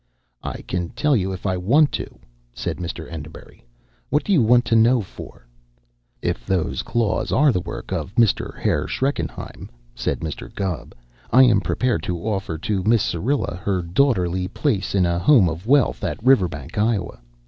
"I can tell you if I want to," said Mr. Enderbury. "What do you want to know for?" "If those claws are the work of Mr. Herr Schreckenheim," said Mr. Gubb, "I am prepared to offer to Miss Syrilla her daughterly place in a home of wealth at Riverbank, Iowa.